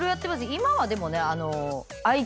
今はでもね。